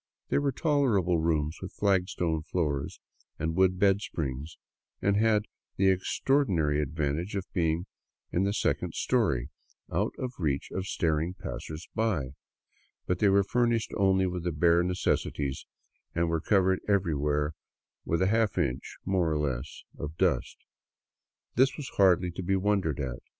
They were tolerable rooms, with flagstone floors and wooden bed springs, and had the extraordi nary advantage of being in the second story, out of reach of staring passersby ; but they were furnished only with the bare necessities and were covered everywhere with a half inch, more or less, of dust. This was hardly to be wondered at.